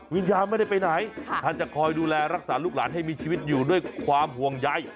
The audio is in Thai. วิญญาณไม่ได้ไปไหนท่านจะคอยดูแลรักษาลูกหลานให้มีชีวิตอยู่ด้วยความห่วงใย